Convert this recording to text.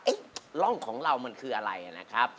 ร่องของเรามันคืออะไรนะครับ